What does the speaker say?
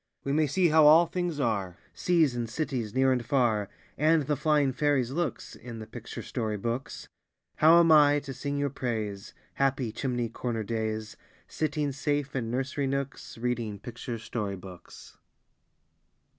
We may see how all things are, Seas and cities, near and far, And the flying fairies' looks, In the picture story books. How am I to sing your praise, Happy chimney corner days, Sitting safe in nursery nooks, Reading picture story books?